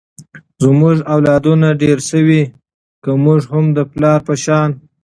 زمونږ اولادونه ډېر شوي ، که مونږ هم د پلار په شان